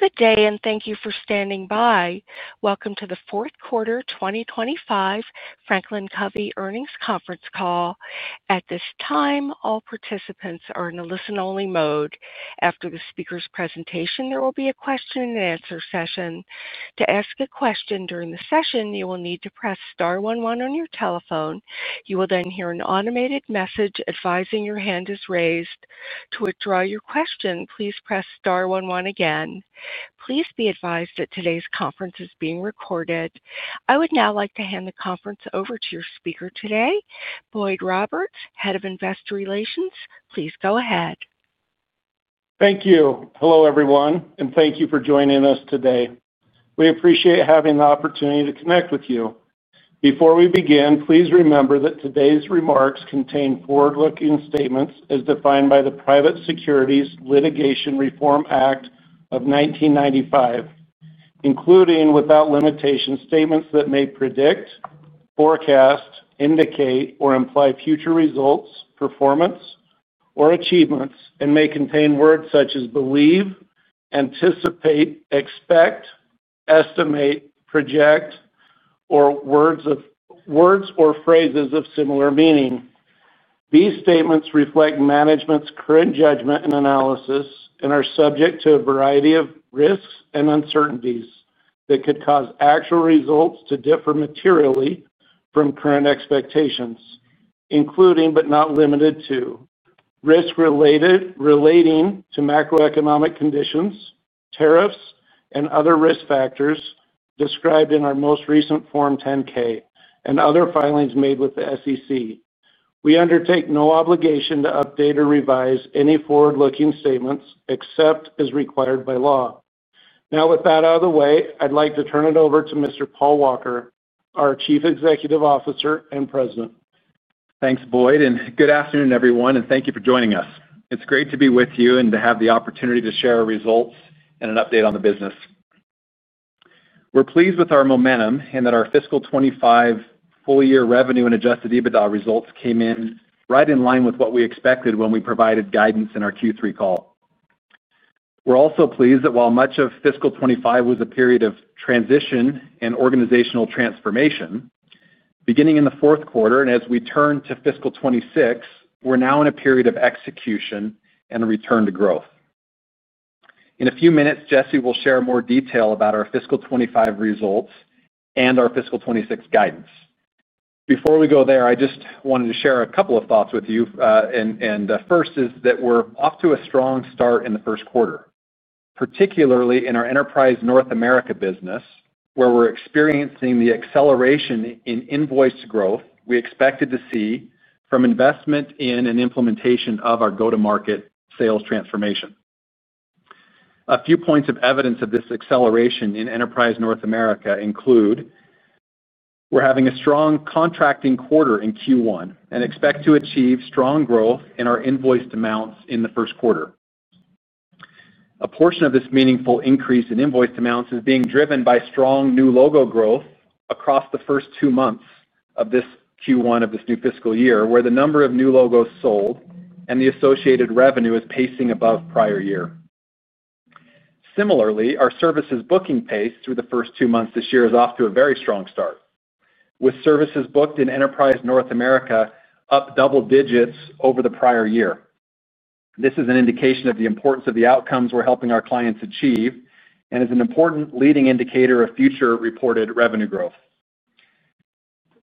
Good day, and thank you for standing by. Welcome to the Fourth Quarter 2025 FranklinCovey Earnings Conference Call. At this time, all participants are in a listen-only mode. After the speaker's presentation, there will be a question-and-answer session. To ask a question during the session, you will need to press star one one on your telephone. You will then hear an automated message advising your hand is raised. To withdraw your question, please press star one one again. Please be advised that today's conference is being recorded. I would now like to hand the conference over to your speaker today, Boyd Roberts, Head of Investor Relations. Please go ahead. Thank you. Hello, everyone, and thank you for joining us today. We appreciate having the opportunity to connect with you. Before we begin, please remember that today's remarks contain forward-looking statements as defined by the Private Securities Litigation Reform Act of 1995, including without limitation statements that may predict, forecast, indicate, or imply future results, performance, or achievements, and may contain words such as believe, anticipate, expect, estimate, project, or words or phrases of similar meaning. These statements reflect management's current judgment and analysis and are subject to a variety of risks and uncertainties that could cause actual results to differ materially from current expectations, including but not limited to risks relating to macroeconomic conditions, tariffs, and other risk factors described in our most recent Form 10-K and other filings made with the SEC. We undertake no obligation to update or revise any forward-looking statements except as required by law. Now, with that out of the way, I'd like to turn it over to Mr. Paul Walker, our Chief Executive Officer and President. Thanks, Boyd, and good afternoon, everyone, and thank you for joining us. It's great to be with you and to have the opportunity to share our results and an update on the business. We're pleased with our momentum and that our fiscal 2025 full-year revenue and Adjusted EBITDA results came in right in line with what we expected when we provided guidance in our Q3 call. We're also pleased that while much of fiscal 2025 was a period of transition and organizational transformation, beginning in the fourth quarter and as we turn to fiscal 2026, we're now in a period of execution and a return to growth. In a few minutes, Jesse will share more detail about our fiscal 2025 results and our fiscal 2026 guidance. Before we go there, I just wanted to share a couple of thoughts with you. We're off to a strong start in the first quarter, particularly in our enterprise North America business, where we're experiencing the acceleration in invoice growth we expected to see from investment in and implementation of our go-to-market sales transformation. A few points of evidence of this acceleration in enterprise North America include. We're having a strong contracting quarter in Q1 and expect to achieve strong growth in our invoiced amounts in the first quarter. A portion of this meaningful increase in invoiced amounts is being driven by strong new logo growth across the first two months of this Q1 of this new fiscal year, where the number of new logos sold and the associated revenue is pacing above prior year. Similarly, our services booking pace through the first two months this year is off to a very strong start, with services booked in enterprise North America up double digits over the prior year. This is an indication of the importance of the outcomes we're helping our clients achieve and is an important leading indicator of future reported revenue growth.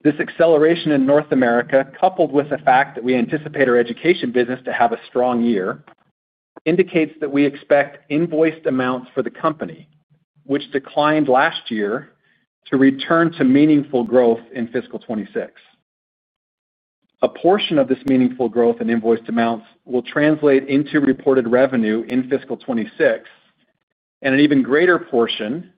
This acceleration in North America, coupled with the fact that we anticipate our education business to have a strong year, indicates that we expect invoiced amounts for the company, which declined last year, to return to meaningful growth in fiscal 2026. A portion of this meaningful growth in invoiced amounts will translate into reported revenue in fiscal 2026. An even greater portion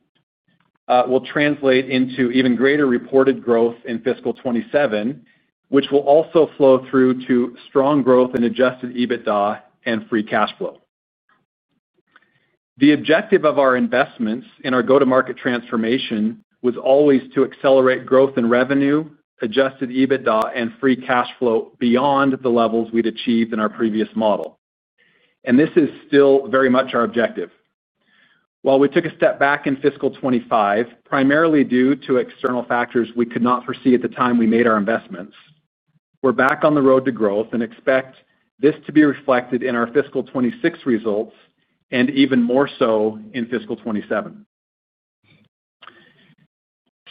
will translate into even greater reported growth in fiscal 2027, which will also flow through to strong growth in Adjusted EBITDA and free cash flow. The objective of our investments in our go-to-market transformation was always to accelerate growth in revenue, Adjusted EBITDA, and free cash flow beyond the levels we'd achieved in our previous model. This is still very much our objective. While we took a step back in fiscal 2025, primarily due to external factors we could not foresee at the time we made our investments, we're back on the road to growth and expect this to be reflected in our fiscal 2026 results and even more so in fiscal 2027.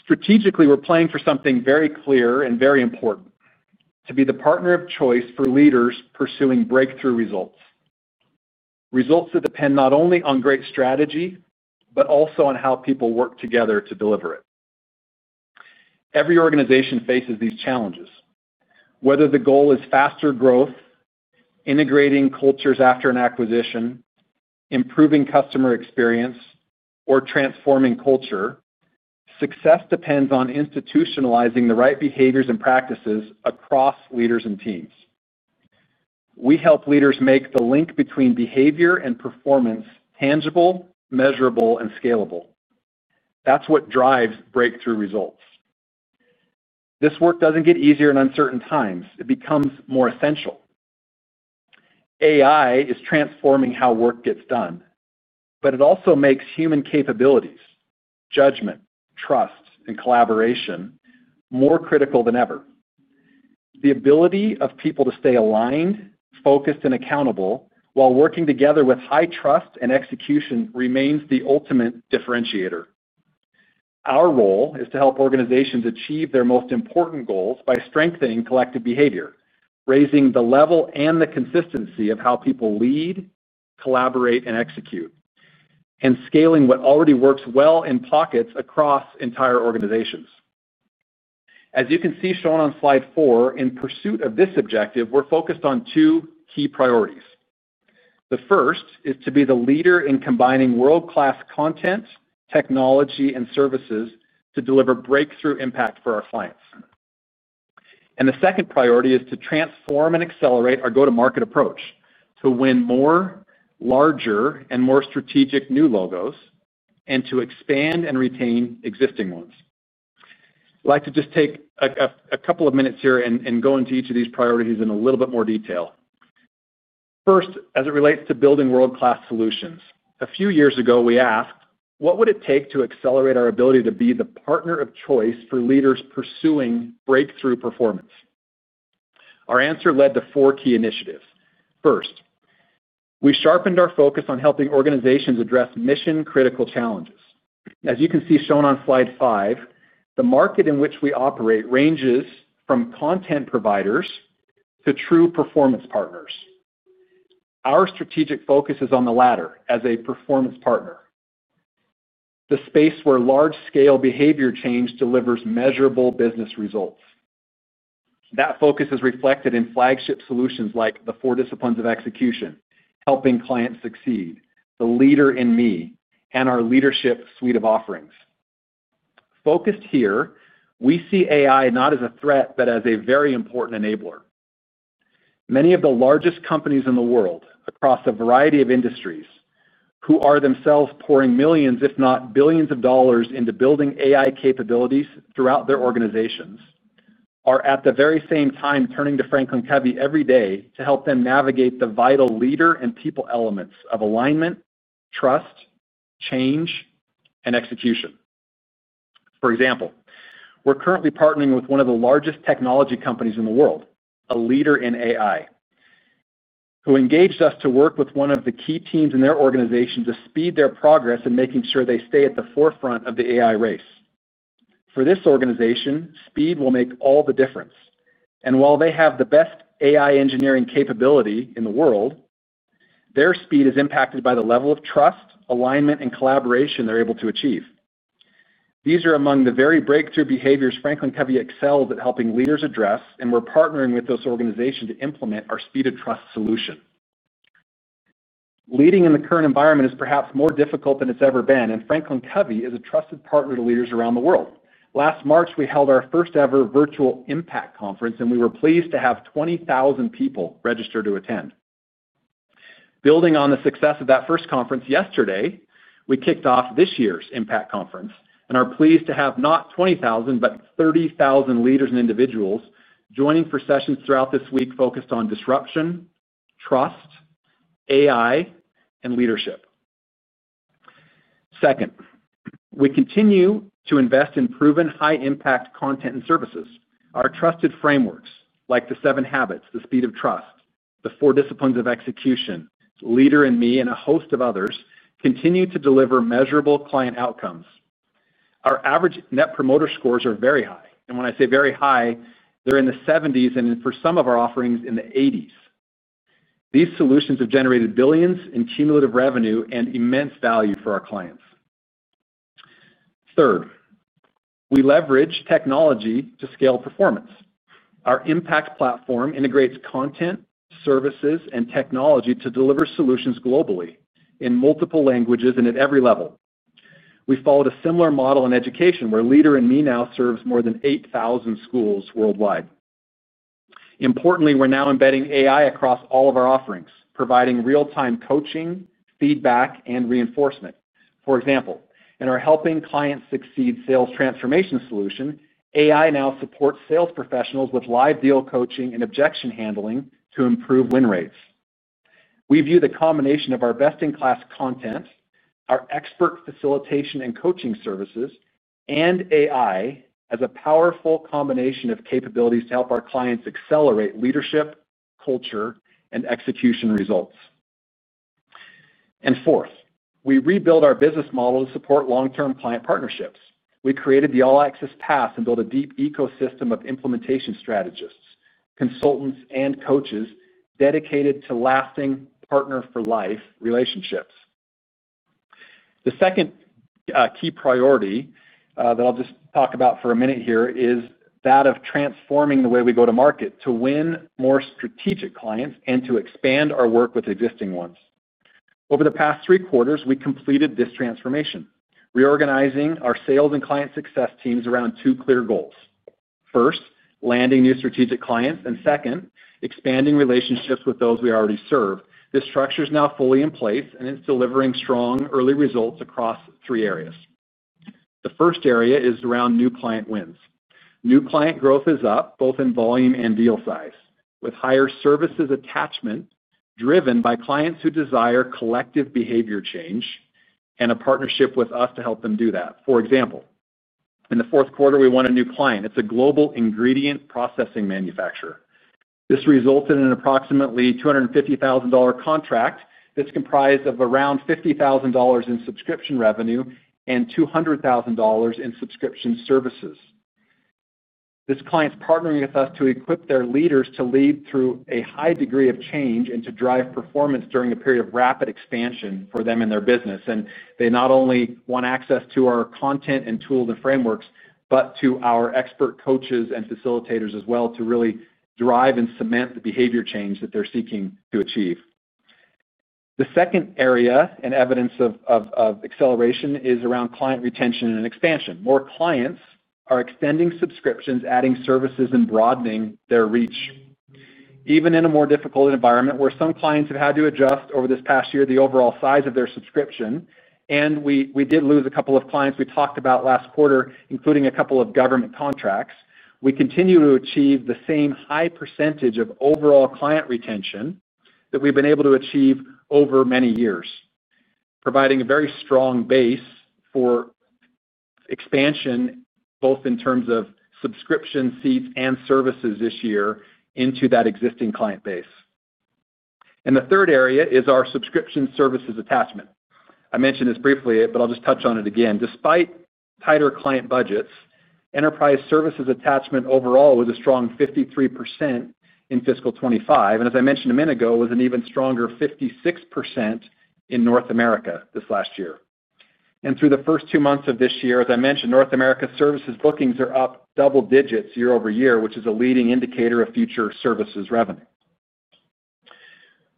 Strategically, we're playing for something very clear and very important: to be the partner of choice for leaders pursuing breakthrough results. Results that depend not only on great strategy but also on how people work together to deliver it. Every organization faces these challenges. Whether the goal is faster growth, integrating cultures after an acquisition, improving customer experience, or transforming culture. Success depends on institutionalizing the right behaviors and practices across leaders and teams. We help leaders make the link between behavior and performance tangible, measurable, and scalable. That's what drives breakthrough results. This work doesn't get easier in uncertain times. It becomes more essential. AI is transforming how work gets done, but it also makes human capabilities, judgment, trust, and collaboration more critical than ever. The ability of people to stay aligned, focused, and accountable while working together with high trust and execution remains the ultimate differentiator. Our role is to help organizations achieve their most important goals by strengthening collective behavior, raising the level and the consistency of how people lead, collaborate, and execute. Scaling what already works well in pockets across entire organizations. As you can see shown on slide four, in pursuit of this objective, we're focused on two key priorities. The first is to be the leader in combining world-class content, technology, and services to deliver breakthrough impact for our clients. The second priority is to transform and accelerate our go-to-market approach to win more, larger, and more strategic new logos and to expand and retain existing ones. I'd like to just take a couple of minutes here and go into each of these priorities in a little bit more detail. First, as it relates to building world-class solutions, a few years ago, we asked, "What would it take to accelerate our ability to be the partner of choice for leaders pursuing breakthrough performance?" Our answer led to four key initiatives. First, we sharpened our focus on helping organizations address mission-critical challenges. As you can see shown on slide five, the market in which we operate ranges from content providers to true performance partners. Our strategic focus is on the latter as a performance partner. The space where large-scale behavior change delivers measurable business results. That focus is reflected in flagship solutions like the 4 Disciplines of Execution, Helping Clients Succeed, the Leader in Me, and our Leadership Suite of offerings. Focused here, we see AI not as a threat but as a very important enabler. Many of the largest companies in the world across a variety of industries who are themselves pouring millions, if not billions of dollars, into building AI capabilities throughout their organizations are at the very same time turning to FranklinCovey every day to help them navigate the vital leader and people elements of alignment, trust, change, and execution. For example, we're currently partnering with one of the largest technology companies in the world, a leader in AI. Who engaged us to work with one of the key teams in their organization to speed their progress in making sure they stay at the forefront of the AI race. For this organization, speed will make all the difference. While they have the best AI engineering capability in the world, their speed is impacted by the level of trust, alignment, and collaboration they're able to achieve. These are among the very breakthrough behaviors FranklinCovey excels at helping leaders address, and we're partnering with those organizations to implement our Speed of Trust solution. Leading in the current environment is perhaps more difficult than it's ever been, and FranklinCovey is a trusted partner to leaders around the world. Last March, we held our first-ever virtual Impact Conference, and we were pleased to have 20,000 people register to attend. Building on the success of that first conference yesterday, we kicked off this year's Impact Conference and are pleased to have not 20,000 but 30,000 leaders and individuals joining for sessions throughout this week focused on disruption, trust, AI, and leadership. Second, we continue to invest in proven high-impact content and services. Our trusted frameworks, like the 7 Habits, the Speed of Trust, the 4 Disciplines of Execution, Leader in Me, and a host of others, continue to deliver measurable client outcomes. Our average Net Promoter Scores are very high. When I say very high, they're in the 70s and for some of our offerings in the 80s. These solutions have generated billions in cumulative revenue and immense value for our clients. Third, we leverage technology to scale performance. Our Impact Platform integrates content, services, and technology to deliver solutions globally in multiple languages and at every level. We followed a similar model in education where Leader in Me now serves more than 8,000 schools worldwide. Importantly, we're now embedding AI across all of our offerings, providing real-time coaching, feedback, and reinforcement. For example, in our Helping Clients Succeed sales transformation solution, AI now supports sales professionals with live deal coaching and objection handling to improve win rates. We view the combination of our best-in-class content, our expert facilitation and coaching services, and AI as a powerful combination of capabilities to help our clients accelerate leadership, culture, and execution results. Fourth, we rebuilt our business model to support long-term client partnerships. We created the All Access Pass and built a deep ecosystem of implementation strategists, consultants, and coaches dedicated to lasting partner-for-life relationships. The second. Key priority that I'll just talk about for a minute here is that of transforming the way we go to market to win more strategic clients and to expand our work with existing ones. Over the past three quarters, we completed this transformation, reorganizing our sales and client success teams around two clear goals. First, landing new strategic clients, and second, expanding relationships with those we already serve. This structure is now fully in place, and it's delivering strong early results across three areas. The first area is around new client wins. New client growth is up both in volume and deal size, with higher services attachment driven by clients who desire collective behavior change and a partnership with us to help them do that. For example, in the fourth quarter, we won a new client. It's a global ingredient processing manufacturer. This resulted in an approximately $250,000 contract that is comprised of around $50,000 in subscription revenue and $200,000 in subscription services. This client is partnering with us to equip their leaders to lead through a high degree of change and to drive performance during a period of rapid expansion for them and their business. They not only want access to our content and tools and frameworks but to our expert coaches and facilitators as well to really drive and cement the behavior change that they are seeking to achieve. The second area and evidence of acceleration is around client retention and expansion. More clients are extending subscriptions, adding services, and broadening their reach. Even in a more difficult environment where some clients have had to adjust over this past year the overall size of their subscription, and we did lose a couple of clients we talked about last quarter, including a couple of government contracts, we continue to achieve the same high percentage of overall client retention that we've been able to achieve over many years, providing a very strong base for expansion both in terms of subscription seats and services this year into that existing client base. The third area is our subscription services attachment. I mentioned this briefly, but I'll just touch on it again. Despite tighter client budgets, enterprise services attachment overall was a strong 53% in fiscal 2025. As I mentioned a minute ago, it was an even stronger 56% in North America this last year. Through the first two months of this year, as I mentioned, North America's services bookings are up double digits year over year, which is a leading indicator of future services revenue.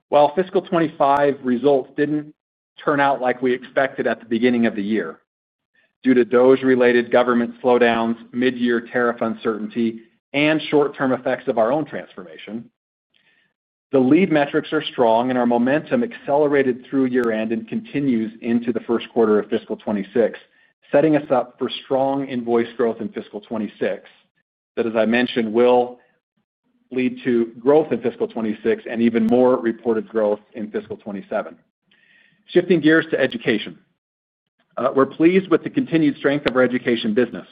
While fiscal 2025 results did not turn out like we expected at the beginning of the year due to DOE related government slowdowns, mid-year tariff uncertainty, and short-term effects of our own transformation, the lead metrics are strong, and our momentum accelerated through year-end and continues into the first quarter of fiscal 2026, setting us up for strong invoice growth in fiscal 2026 that, as I mentioned, will lead to growth in fiscal 2026 and even more reported growth in fiscal 2027. Shifting gears to education, we are pleased with the continued strength of our education business.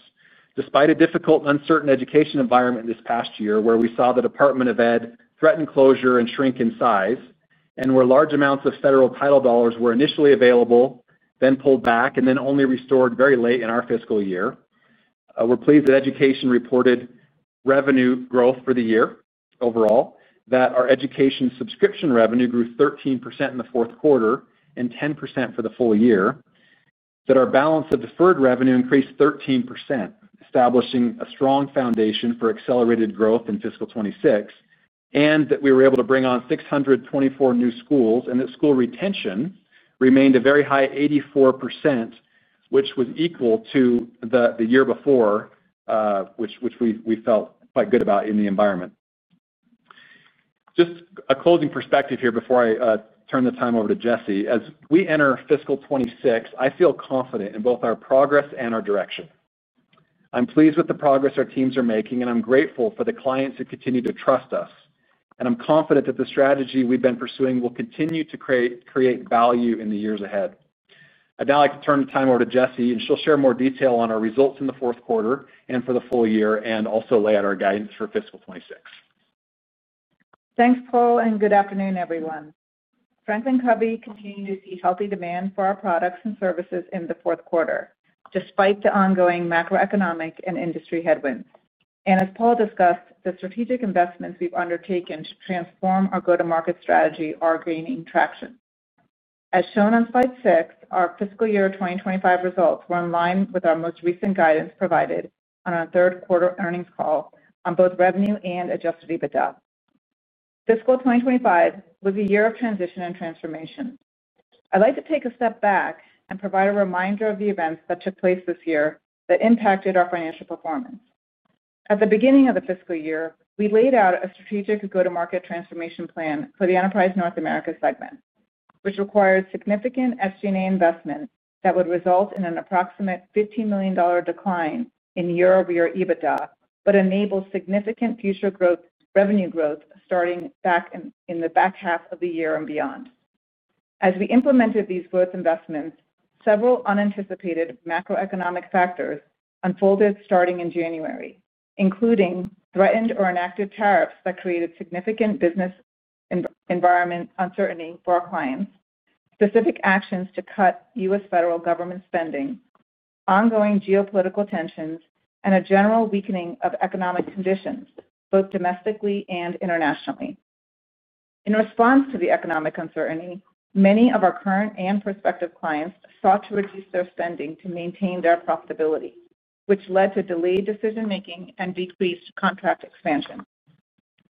Despite a difficult, uncertain education environment this past year where we saw the Department of Ed threaten closure and shrink in size and where large amounts of federal title dollars were initially available, then pulled back, and then only restored very late in our fiscal year, we're pleased that education reported revenue growth for the year overall, that our education subscription revenue grew 13% in the fourth quarter and 10% for the full year, that our balance of deferred revenue increased 13%, establishing a strong foundation for accelerated growth in fiscal 2026, and that we were able to bring on 624 new schools and that school retention remained a very high 84%, which was equal to the year before, which we felt quite good about in the environment. Just a closing perspective here before I turn the time over to Jesse. As we enter fiscal 2026, I feel confident in both our progress and our direction. I'm pleased with the progress our teams are making, and I'm grateful for the clients who continue to trust us. I'm confident that the strategy we've been pursuing will continue to create value in the years ahead. I'd now like to turn the time over to Jesse, and she'll share more detail on our results in the fourth quarter and for the full year and also lay out our guidance for fiscal 2026. Thanks, Paul, and good afternoon, everyone. FranklinCovey continues to see healthy demand for our products and services in the fourth quarter despite the ongoing macroeconomic and industry headwinds. As Paul discussed, the strategic investments we've undertaken to transform our go-to-market strategy are gaining traction. As shown on slide six, our fiscal year 2025 results were in line with our most recent guidance provided on our third-quarter earnings call on both revenue and Adjusted EBITDA. Fiscal 2025 was a year of transition and transformation. I'd like to take a step back and provide a reminder of the events that took place this year that impacted our financial performance. At the beginning of the fiscal year, we laid out a strategic go-to-market transformation plan for the enterprise North America segment, which required significant SG&A investment that would result in an approximate $15 million decline in year-over-year EBITDA but enabled significant future revenue growth starting back in the back half of the year and beyond. As we implemented these growth investments, several unanticipated macroeconomic factors unfolded starting in January, including threatened or enacted tariffs that created significant business. Environment uncertainty for our clients, specific actions to cut U.S. federal government spending, ongoing geopolitical tensions, and a general weakening of economic conditions both domestically and internationally. In response to the economic uncertainty, many of our current and prospective clients sought to reduce their spending to maintain their profitability, which led to delayed decision-making and decreased contract expansion.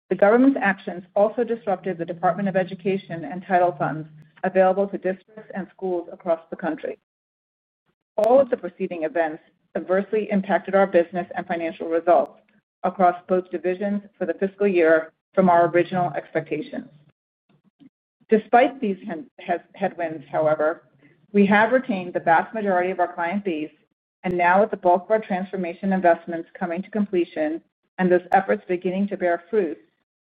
The government's actions also disrupted the Department of Education and title funds available to districts and schools across the country. All of the preceding events adversely impacted our business and financial results across both divisions for the fiscal year from our original expectations. Despite these headwinds, however, we have retained the vast majority of our client base, and now with the bulk of our transformation investments coming to completion and those efforts beginning to bear fruit,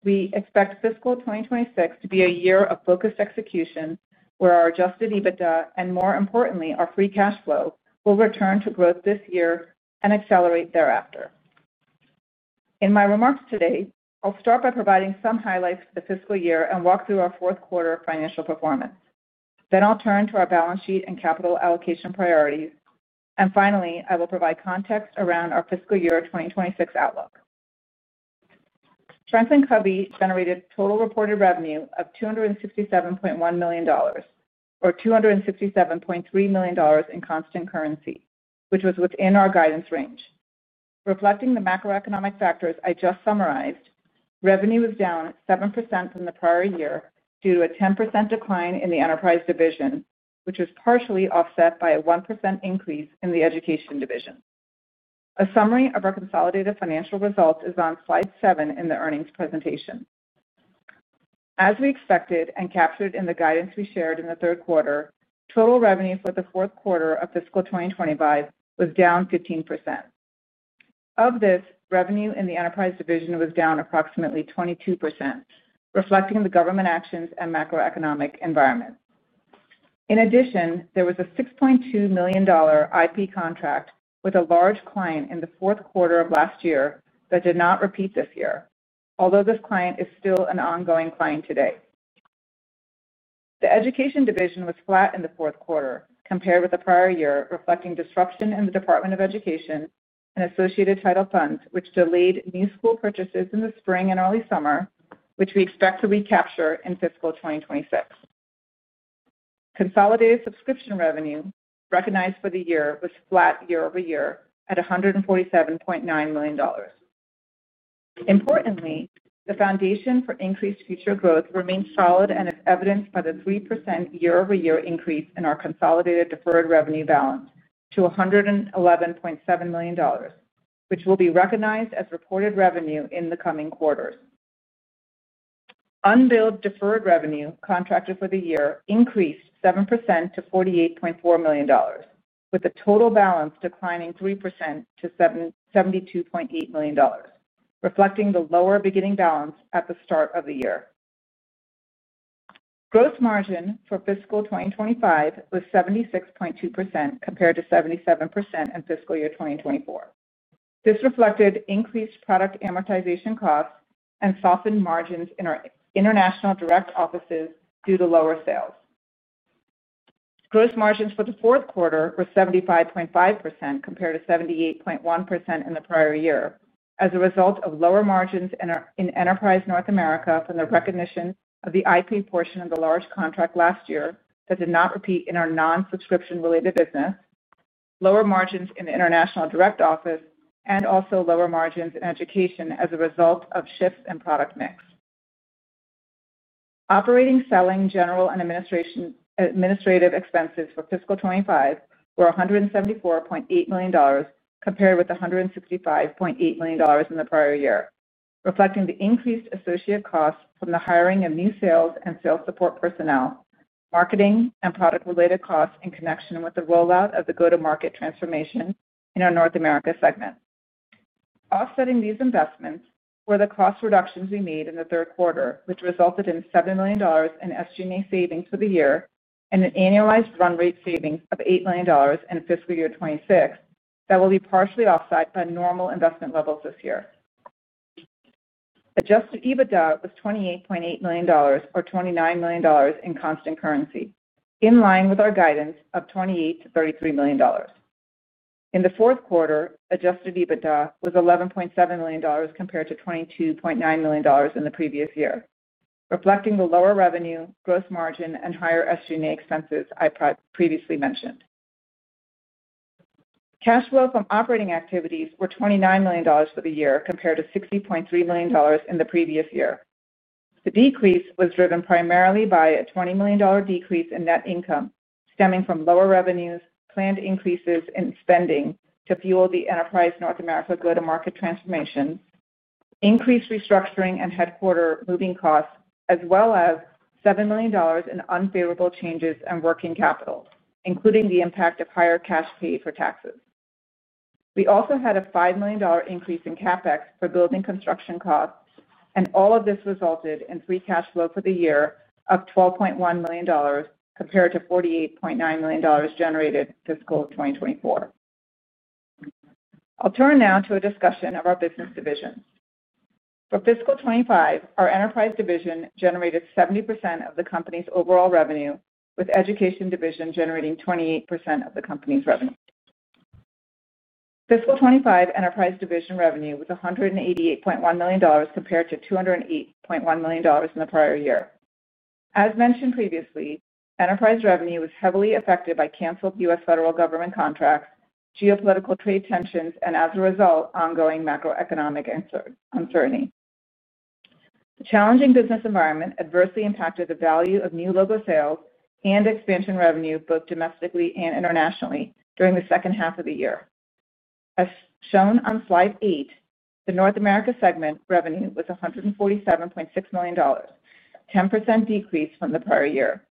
we expect fiscal 2026 to be a year of focused execution where our Adjusted EBITDA and, more importantly, our free cash flow will return to growth this year and accelerate thereafter. In my remarks today, I'll start by providing some highlights for the fiscal year and walk through our fourth quarter financial performance. Then I will turn to our balance sheet and capital allocation priorities. Finally, I will provide context around our fiscal year 2026 outlook. FranklinCovey generated total reported revenue of $267.1 million or $267.3 million in constant currency, which was within our guidance range. Reflecting the macroeconomic factors I just summarized, revenue was down 7% from the prior year due to a 10% decline in the enterprise division, which was partially offset by a 1% increase in the education division. A summary of our consolidated financial results is on slide seven in the earnings presentation. As we expected and captured in the guidance we shared in the third quarter, total revenue for the fourth quarter of fiscal 2025 was down 15%. Of this, revenue in the enterprise division was down approximately 22%, reflecting the government actions and macroeconomic environment. In addition, there was a $6.2 million IP contract with a large client in the fourth quarter of last year that did not repeat this year, although this client is still an ongoing client today. The education division was flat in the fourth quarter compared with the prior year, reflecting disruption in the Department of Education and associated title funds, which delayed new school purchases in the spring and early summer, which we expect to recapture in fiscal 2026. Consolidated subscription revenue recognized for the year was flat year-over-year at $147.9 million. Importantly, the foundation for increased future growth remains solid, and it's evidenced by the 3% year-over-year increase in our consolidated deferred revenue balance to $111.7 million, which will be recognized as reported revenue in the coming quarters. Unbilled deferred revenue contracted for the year increased 7% to $48.4 million, with the total balance declining 3% to $72.8 million, reflecting the lower beginning balance at the start of the year. Gross margin for fiscal 2025 was 76.2% compared to 77% in fiscal year 2024. This reflected increased product amortization costs and softened margins in our international direct offices due to lower sales. Gross margins for the fourth quarter were 75.5% compared to 78.1% in the prior year as a result of lower margins in enterprise North America from the recognition of the IP portion of the large contract last year that did not repeat in our non-subscription-related business. Lower margins in the international direct office, and also lower margins in education as a result of shifts in product mix. Operating selling general and administrative expenses for fiscal 2025 were $174.8 million compared with $165.8 million in the prior year, reflecting the increased associated costs from the hiring of new sales and sales support personnel, marketing and product-related costs in connection with the rollout of the go-to-market transformation in our North America segment. Offsetting these investments were the cost reductions we made in the third quarter, which resulted in $7 million in SG&A savings for the year and an annualized run rate savings of $8 million in fiscal year 2026 that will be partially offset by normal investment levels this year. Adjusted EBITDA was $28.8 million, or $29 million in constant currency, in line with our guidance of $28 million-$33 million. In the fourth quarter, Adjusted EBITDA was $11.7 million compared to $22.9 million in the previous year, reflecting the lower revenue, gross margin, and higher SG&A expenses I previously mentioned. Cash flow from operating activities was $29 million for the year compared to $60.3 million in the previous year. The decrease was driven primarily by a $20 million decrease in net income stemming from lower revenues, planned increases in spending to fuel the enterprise North America go-to-market transformation, increased restructuring and headquarter moving costs, as well as $7 million in unfavorable changes in working capital, including the impact of higher cash pay for taxes. We also had a $5 million increase in CapEx for building construction costs, and all of this resulted in free cash flow for the year of $12.1 million compared to $48.9 million generated in fiscal 2024. I'll turn now to a discussion of our business divisions. For fiscal 2025, our enterprise division generated 70% of the company's overall revenue, with the education division generating 28% of the company's revenue. Fiscal 2025 enterprise division revenue was $188.1 million compared to $208.1 million in the prior year. As mentioned previously, enterprise revenue was heavily affected by canceled U.S. federal government contracts, geopolitical trade tensions, and as a result, ongoing macroeconomic uncertainty. The challenging business environment adversely impacted the value of new local sales and expansion revenue both domestically and internationally during the second half of the year. As shown on slide eight, the North America segment revenue was $147.6 million, a 10% decrease from the prior year.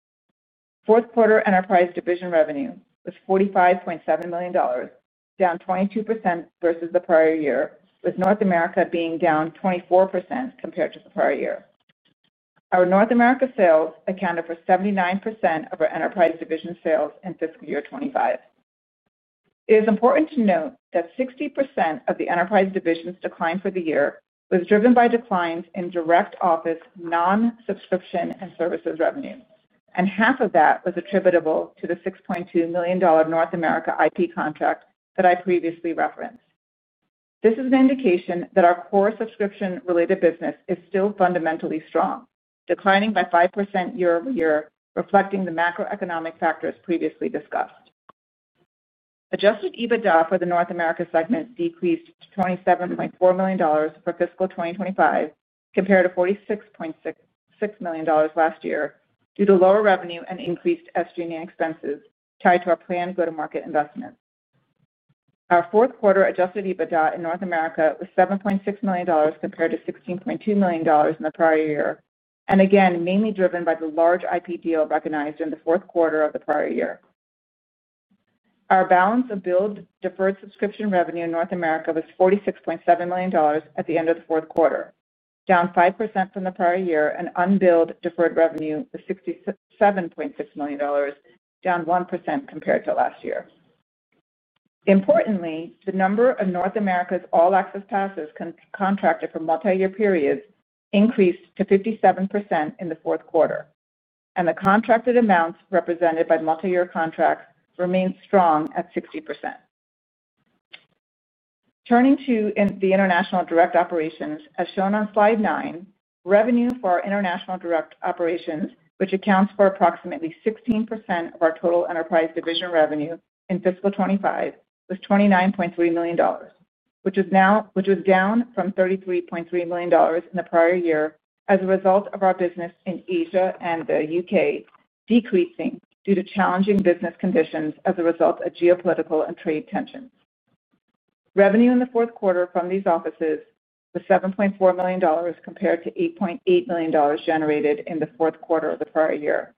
Fourth quarter enterprise division revenue was $45.7 million, down 22% versus the prior year, with North America being down 24% compared to the prior year. Our North America sales accounted for 79% of our enterprise division sales in fiscal year 2025. It is important to note that 60% of the enterprise division's decline for the year was driven by declines in direct office non-subscription and services revenue, and half of that was attributable to the $6.2 million North America IP contract that I previously referenced. This is an indication that our core subscription-related business is still fundamentally strong, declining by 5% year-over-year, reflecting the macroeconomic factors previously discussed. Adjusted EBITDA for the North America segment decreased to $27.4 million for fiscal 2025 compared to $46.6 million last year due to lower revenue and increased SG&A expenses tied to our planned go-to-market investment. Our fourth quarter Adjusted EBITDA in North America was $7.6 million compared to $16.2 million in the prior year, and again, mainly driven by the large IP deal recognized in the fourth quarter of the prior year. Our balance of billed deferred subscription revenue in North America was $46.7 million at the end of the fourth quarter, down 5% from the prior year, and unbilled deferred revenue was $67.6 million, down 1% compared to last year. Importantly, the number of North America's All Access Passes contracted for multi-year periods increased to 57% in the fourth quarter, and the contracted amounts represented by multi-year contracts remained strong at 60%. Turning to the international direct operations, as shown on slide nine, revenue for our international direct operations, which accounts for approximately 16% of our total enterprise division revenue in fiscal 2025, was $29.3 million, which was down from $33.3 million in the prior year as a result of our business in Asia and the U.K. decreasing due to challenging business conditions as a result of geopolitical and trade tensions. Revenue in the fourth quarter from these offices was $7.4 million compared to $8.8 million generated in the fourth quarter of the prior year.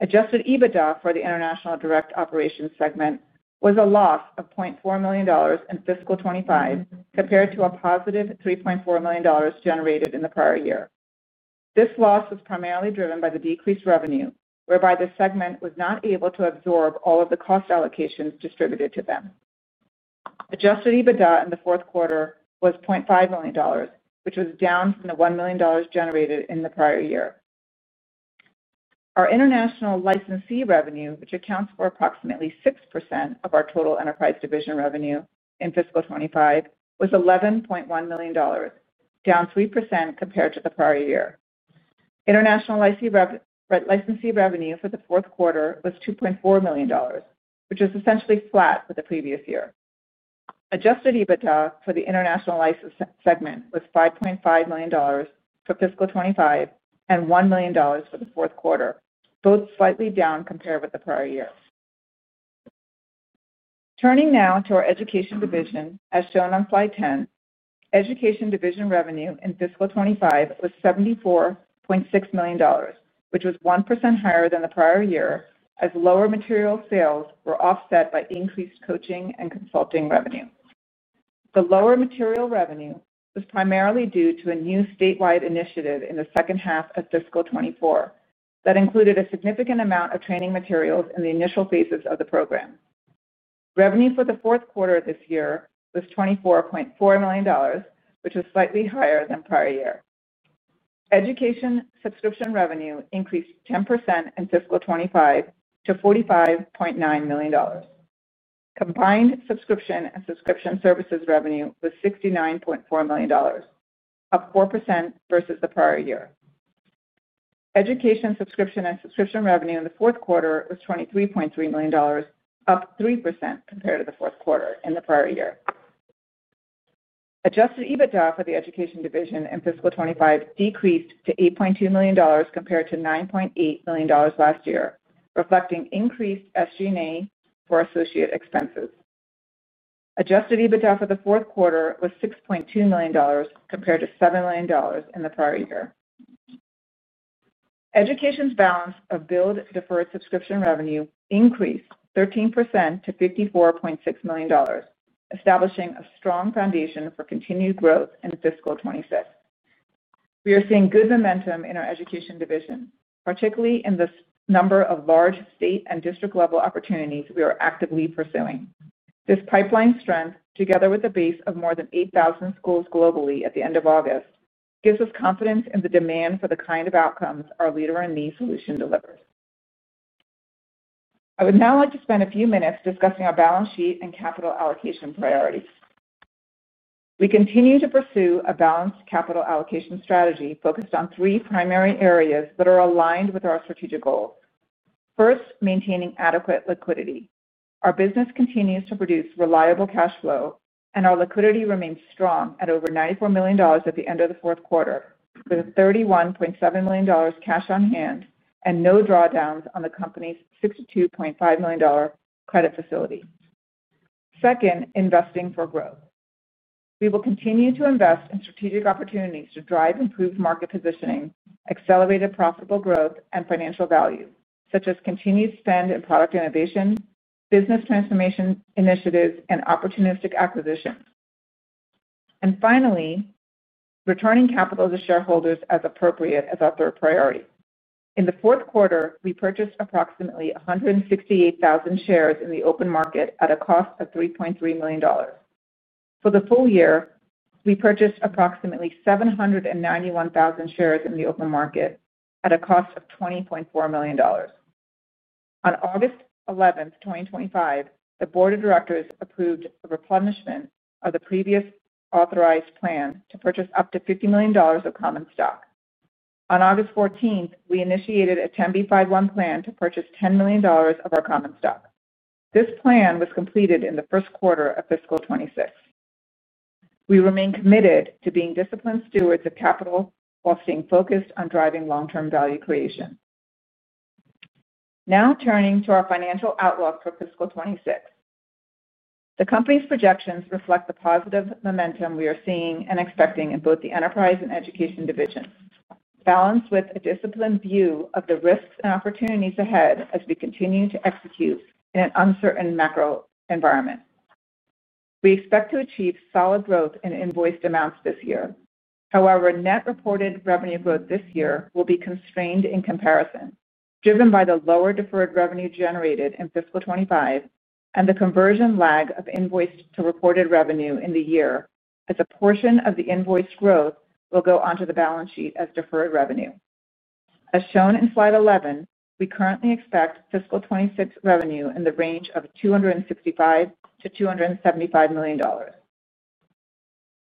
Adjusted EBITDA for the international direct operations segment was a loss of $0.4 million in fiscal 2025 compared to a positive $3.4 million generated in the prior year. This loss was primarily driven by the decreased revenue, whereby the segment was not able to absorb all of the cost allocations distributed to them. Adjusted EBITDA in the fourth quarter was $0.5 million, which was down from the $1 million generated in the prior year. Our international licensee revenue, which accounts for approximately 6% of our total enterprise division revenue in fiscal 2025, was $11.1 million, down 3% compared to the prior year. International licensee revenue for the fourth quarter was $2.4 million, which was essentially flat for the previous year. Adjusted EBITDA for the international license segment was $5.5 million for fiscal 2025 and $1 million for the fourth quarter, both slightly down compared with the prior year. Turning now to our education division, as shown on slide 10, education division revenue in fiscal 2025 was $74.6 million, which was 1% higher than the prior year as lower material sales were offset by increased coaching and consulting revenue. The lower material revenue was primarily due to a new statewide initiative in the second half of fiscal 2024 that included a significant amount of training materials in the initial phases of the program. Revenue for the fourth quarter of this year was $24.4 million, which was slightly higher than the prior year. Education subscription revenue increased 10% in fiscal 2025 to $45.9 million. Combined subscription and subscription services revenue was $69.4 million, up 4% versus the prior year. Education subscription and subscription revenue in the fourth quarter was $23.3 million, up 3% compared to the fourth quarter in the prior year. Adjusted EBITDA for the education division in fiscal 2025 decreased to $8.2 million compared to $9.8 million last year, reflecting increased SG&A for associated expenses. Adjusted EBITDA for the fourth quarter was $6.2 million compared to $7 million in the prior year. Education's balance of billed deferred subscription revenue increased 13% to $54.6 million, establishing a strong foundation for continued growth in fiscal 2026. We are seeing good momentum in our education division, particularly in the number of large state and district-level opportunities we are actively pursuing. This pipeline strength, together with a base of more than 8,000 schools globally at the end of August, gives us confidence in the demand for the kind of outcomes our Leader in Me solution delivers. I would now like to spend a few minutes discussing our balance sheet and capital allocation priorities. We continue to pursue a balanced capital allocation strategy focused on three primary areas that are aligned with our strategic goals. First, maintaining adequate liquidity. Our business continues to produce reliable cash flow, and our liquidity remains strong at over $94 million at the end of the fourth quarter, with $31.7 million cash on hand and no drawdowns on the company's $62.5 million credit facility. Second, investing for growth. We will continue to invest in strategic opportunities to drive improved market positioning, accelerated profitable growth, and financial value, such as continued spend in product innovation, business transformation initiatives, and opportunistic acquisitions. Finally, returning capital to shareholders as appropriate is our third priority. In the fourth quarter, we purchased approximately 168,000 shares in the open market at a cost of $3.3 million. For the full year, we purchased approximately 791,000 shares in the open market at a cost of $20.4 million. On August 11, 2025, the Board of Directors approved a replenishment of the previous authorized plan to purchase up to $50 million of common stock. On August 14, we initiated a 10b5-1 plan to purchase $10 million of our common stock. This plan was completed in the first quarter of fiscal 2026. We remain committed to being disciplined stewards of capital while staying focused on driving long-term value creation. Now turning to our financial outlook for fiscal 2026. The company's projections reflect the positive momentum we are seeing and expecting in both the enterprise and education divisions, balanced with a disciplined view of the risks and opportunities ahead as we continue to execute in an uncertain macro environment. We expect to achieve solid growth in invoiced amounts this year. However, net reported revenue growth this year will be constrained in comparison, driven by the lower deferred revenue generated in fiscal 2025 and the conversion lag of invoiced to reported revenue in the year, as a portion of the invoiced growth will go onto the balance sheet as deferred revenue. As shown in slide 11, we currently expect fiscal 2026 revenue in the range of $265 million-$275 million.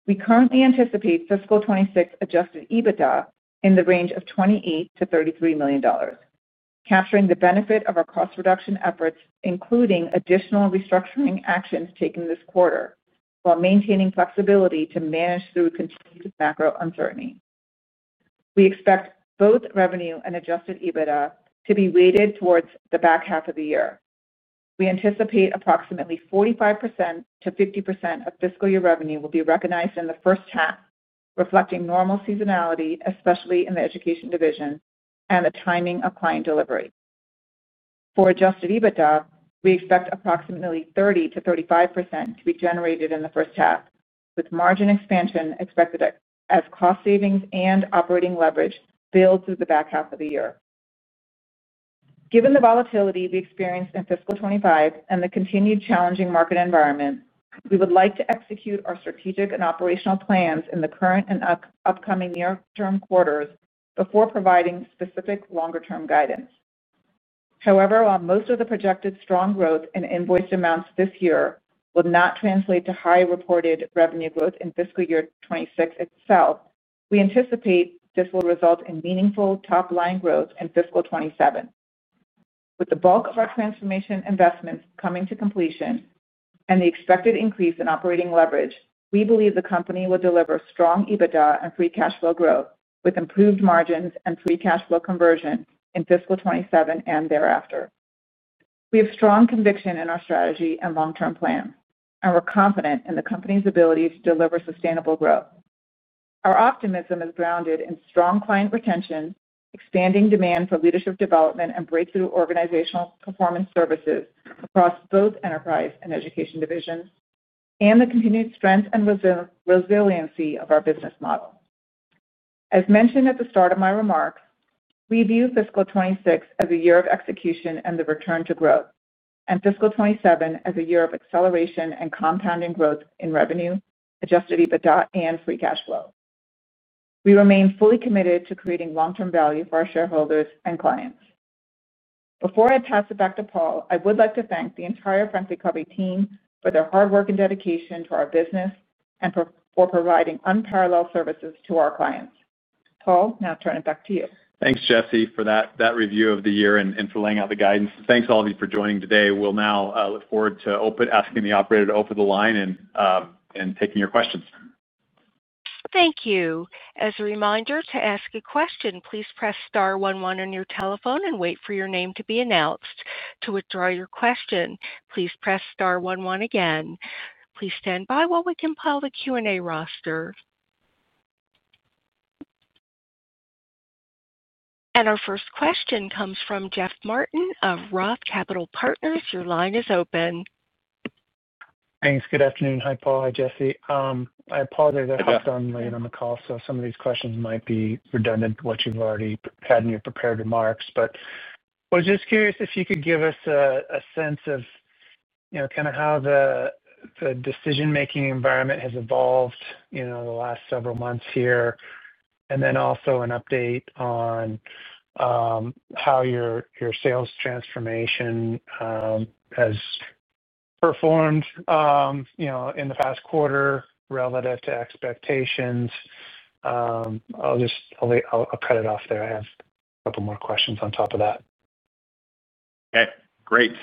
We currently anticipate fiscal 2026 Adjusted EBITDA in the range of $28 million-$33 million, capturing the benefit of our cost reduction efforts, including additional restructuring actions taken this quarter while maintaining flexibility to manage through continued macro uncertainty. We expect both revenue and Adjusted EBITDA to be weighted towards the back half of the year. We anticipate approximately 45%-50% of fiscal year revenue will be recognized in the first half, reflecting normal seasonality, especially in the education division and the timing of client delivery. For Adjusted EBITDA, we expect approximately 30%-35% to be generated in the first half, with margin expansion expected as cost savings and operating leverage build through the back half of the year. Given the volatility we experienced in fiscal 2025 and the continued challenging market environment, we would like to execute our strategic and operational plans in the current and upcoming near-term quarters before providing specific longer-term guidance. However, while most of the projected strong growth in invoiced amounts this year will not translate to high reported revenue growth in fiscal year 2026 itself, we anticipate this will result in meaningful top-line growth in fiscal 2027. With the bulk of our transformation investments coming to completion and the expected increase in operating leverage, we believe the company will deliver strong EBITDA and free cash flow growth with improved margins and free cash flow conversion in fiscal 2027 and thereafter. We have strong conviction in our strategy and long-term plan, and we're confident in the company's ability to deliver sustainable growth. Our optimism is grounded in strong client retention, expanding demand for leadership development and breakthrough organizational performance services across both enterprise and education divisions, and the continued strength and resiliency of our business model. As mentioned at the start of my remarks, we view fiscal 2026 as a year of execution and the return to growth, and fiscal 2027 as a year of acceleration and compounding growth in revenue, Adjusted EBITDA, and free cash flow. We remain fully committed to creating long-term value for our shareholders and clients. Before I pass it back to Paul, I would like to thank the entire FranklinCovey team for their hard work and dedication to our business and for providing unparalleled services to our clients. Paul, now turning back to you. Thanks, Jesse, for that review of the year and for laying out the guidance. Thanks, all of you, for joining today. We'll now look forward to asking the operator to open the line and taking your questions. Thank you. As a reminder, to ask a question, please press star 11 on your telephone and wait for your name to be announced. To withdraw your question, please press star 11 again. Please stand by while we compile the Q&A roster. Our first question comes from Jeff Martin of ROTH Capital Partners. Your line is open. Thanks. Good afternoon. Hi, Paul. Hi, Jesse. I apologize I hopped on late on the call, so some of these questions might be redundant to what you've already had in your prepared remarks. I was just curious if you could give us a sense of kind of how the decision-making environment has evolved the last several months here, and then also an update on how your sales transformation has performed in the past quarter relative to expectations. I'll cut it off there. I have a couple more questions on top of that. Okay. Great.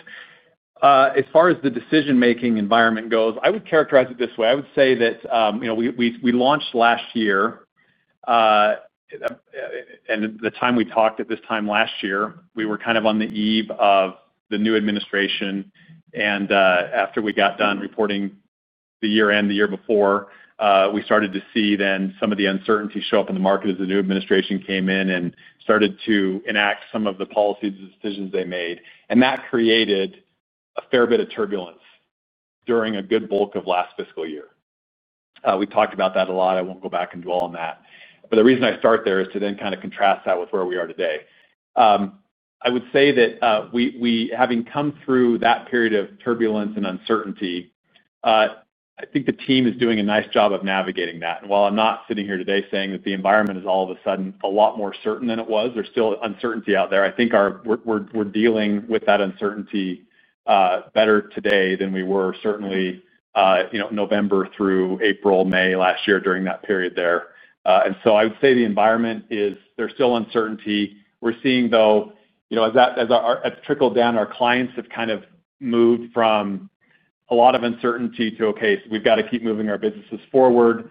As far as the decision-making environment goes, I would characterize it this way. I would say that we launched last year. At the time we talked at this time last year, we were kind of on the eve of the new administration. After we got done reporting the year and the year before, we started to see then some of the uncertainty show up in the market as the new administration came in and started to enact some of the policies and decisions they made. That created a fair bit of turbulence during a good bulk of last fiscal year. We talked about that a lot. I will not go back and dwell on that. The reason I start there is to then kind of contrast that with where we are today. I would say that, having come through that period of turbulence and uncertainty, I think the team is doing a nice job of navigating that. While I am not sitting here today saying that the environment is all of a sudden a lot more certain than it was, there is still uncertainty out there. I think we're dealing with that uncertainty better today than we were certainly November through April, May last year during that period there. I would say the environment is there's still uncertainty. We're seeing, though, as our trickle-down, our clients have kind of moved from a lot of uncertainty to, "Okay, we've got to keep moving our businesses forward."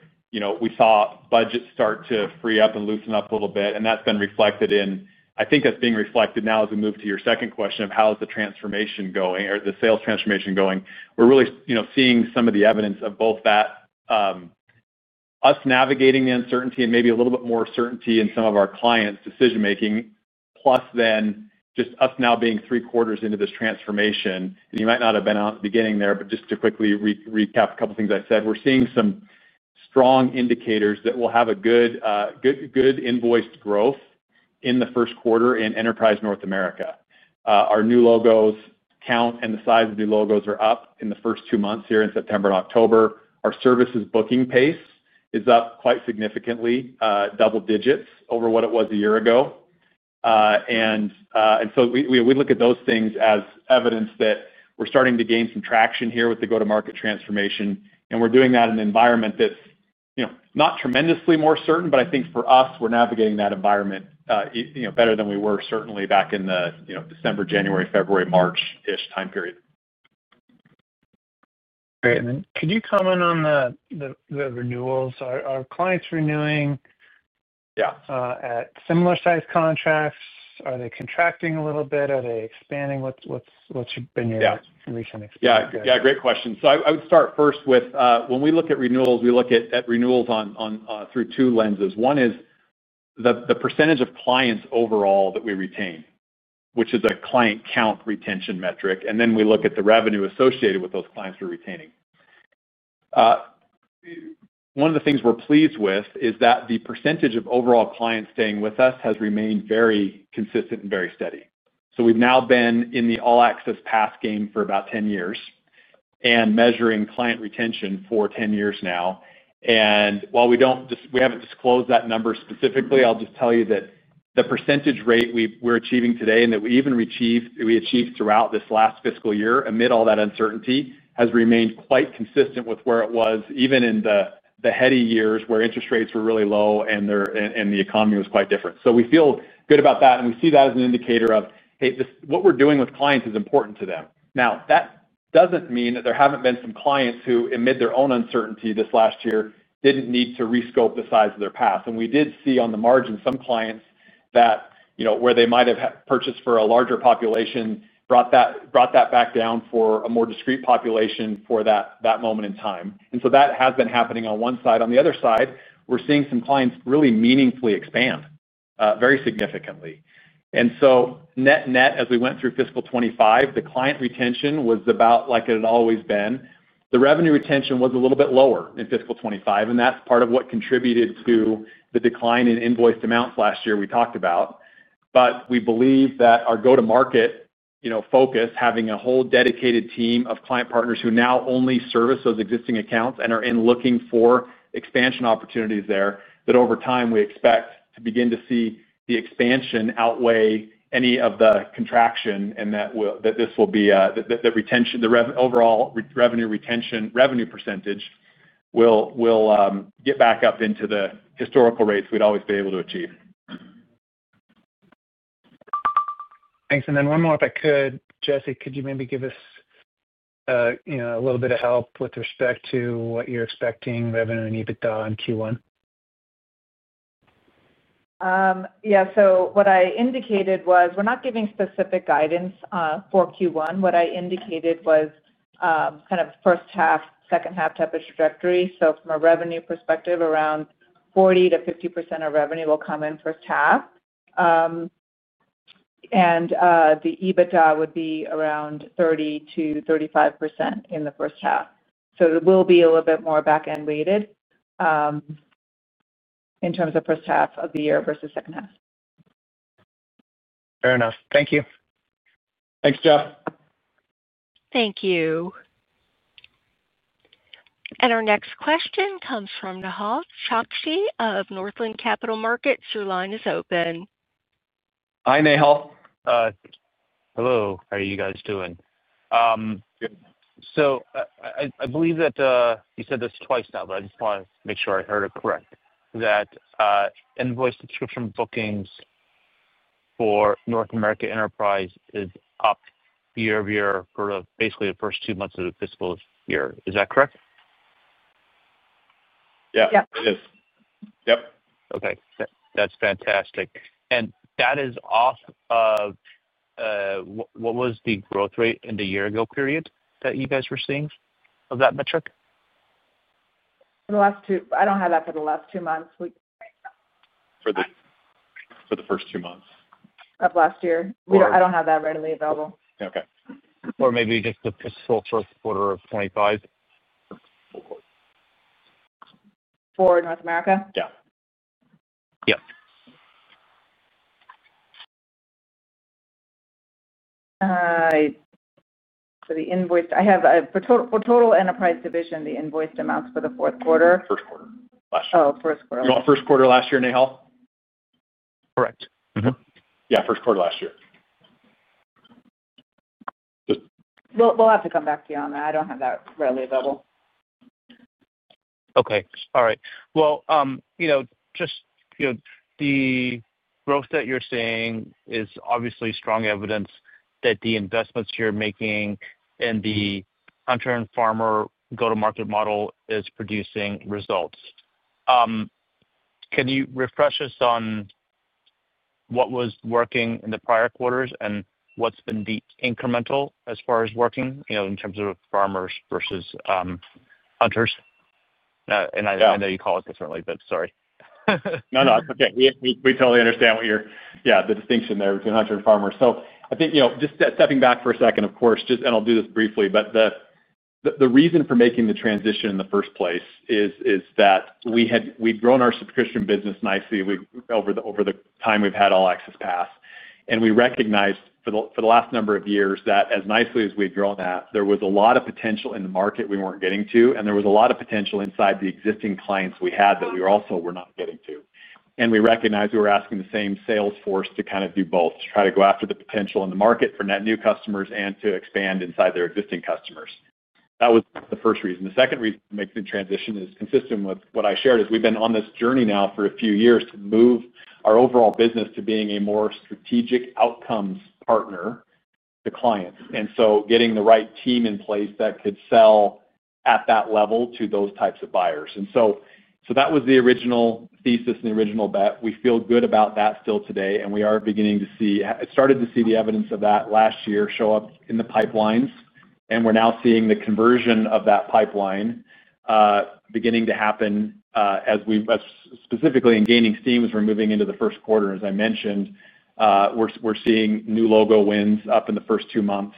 We saw budgets start to free up and loosen up a little bit. That's been reflected in, I think that's being reflected now as we move to your second question of how is the transformation going or the sales transformation going. We're really seeing some of the evidence of both that, us navigating the uncertainty and maybe a little bit more certainty in some of our clients' decision-making, plus then just us now being three quarters into this transformation. You might not have been out at the beginning there, but just to quickly recap a couple of things I said, we're seeing some strong indicators that we'll have good invoiced growth in the first quarter in enterprise North America. Our new logos count and the size of new logos are up in the first two months here in September and October. Our services booking pace is up quite significantly, double digits, over what it was a year ago. We look at those things as evidence that we're starting to gain some traction here with the go-to-market transformation. We're doing that in an environment that's not tremendously more certain, but I think for us, we're navigating that environment better than we were certainly back in the December, January, February, March-ish time period. Great. Could you comment on the renewals? Are clients renewing. At similar-sized contracts? Are they contracting a little bit? Are they expanding? What's been your recent experience? Yeah. Yeah. Great question. I would start first with when we look at renewals, we look at renewals through two lenses. One is the percentage of clients overall that we retain, which is a client count retention metric. And then we look at the revenue associated with those clients we're retaining. One of the things we're pleased with is that the percentage of overall clients staying with us has remained very consistent and very steady. We've now been in the All Access Pass game for about 10 years and measuring client retention for 10 years now. While we haven't disclosed that number specifically, I'll just tell you that the % rate we're achieving today and that we achieved throughout this last fiscal year amid all that uncertainty has remained quite consistent with where it was even in the heady years where interest rates were really low and the economy was quite different. We feel good about that. We see that as an indicator of, "Hey, what we're doing with clients is important to them." That doesn't mean that there haven't been some clients who, amid their own uncertainty this last year, didn't need to rescope the size of their path. We did see on the margin some clients that, where they might have purchased for a larger population, brought that back down for a more discreet population for that moment in time. That has been happening on one side. On the other side, we're seeing some clients really meaningfully expand very significantly. Net-net, as we went through fiscal 2025, the client retention was about like it had always been. The revenue retention was a little bit lower in fiscal 2025. That is part of what contributed to the decline in invoiced amounts last year we talked about. We believe that our go-to-market focus, having a whole dedicated team of client partners who now only service those existing accounts and are in looking for expansion opportunities there, that over time we expect to begin to see the expansion outweigh any of the contraction and that this will be the overall revenue retention revenue percentage will get back up into the historical rates we'd always be able to achieve. Thanks. One more, if I could. Jesse, could you maybe give us. A little bit of help with respect to what you're expecting, revenue and EBITDA on Q1? Yeah. So what I indicated was we're not giving specific guidance for Q1. What I indicated was kind of first half, second half type of trajectory. From a revenue perspective, around 40%-50% of revenue will come in first half. The EBITDA would be around 30%-35% in the first half. It will be a little bit more back-end weighted in terms of first half of the year versus second half. Fair enough. Thank you. Thanks, Jeff. Thank you. Our next question comes from Nehal Chokshi of Northland Capital Markets. Your line is open. Hi, Nehal. Hello. How are you guys doing? Good. I believe that you said this twice now, but I just want to make sure I heard it correct, that. Invoice description bookings for North America Enterprise is up year over year for basically the first two months of the fiscal year. Is that correct? Yeah. It is. Yep. Okay. That's fantastic. And that is off of what was the growth rate in the year-ago period that you guys were seeing of that metric? I don't have that for the last two months. For the first two months of last year? I don't have that readily available. Okay. Or maybe just the fiscal first quarter of 2025? For North America? Yeah. Yep. For the invoice, I have for total enterprise division, the invoiced amounts for the fourth quarter. First quarter last year. Oh, first quarter. You want first quarter last year, Nehal? Correct. Yeah. First quarter last year. We'll have to come back to you on that. I don't have that readily available. Okay. All right. Just. The growth that you're seeing is obviously strong evidence that the investments you're making in the Hunter and Farmer go-to-market model is producing results. Can you refresh us on what was working in the prior quarters and what's been the incremental as far as working in terms of farmers versus hunters? And I know you call it differently, but sorry. No, no. That's okay. We totally understand what you're—yeah, the distinction there between Hunter and Farmer. I think just stepping back for a second, of course, and I'll do this briefly, but the reason for making the transition in the first place is that we've grown our subscription business nicely over the time we've had All Access Pass. We recognized for the last number of years that as nicely as we had grown that, there was a lot of potential in the market we were not getting to, and there was a lot of potential inside the existing clients we had that we also were not getting to. We recognized we were asking the same sales force to kind of do both, to try to go after the potential in the market for net new customers and to expand inside their existing customers. That was the first reason. The second reason to make the transition is consistent with what I shared is we've been on this journey now for a few years to move our overall business to being a more strategic outcomes partner to clients. Getting the right team in place that could sell at that level to those types of buyers. That was the original thesis and the original bet. We feel good about that still today. We are beginning to see—it started to see the evidence of that last year show up in the pipelines. We are now seeing the conversion of that pipeline beginning to happen, specifically gaining steam as we are moving into the first quarter. As I mentioned, we are seeing new logo wins up in the first two months.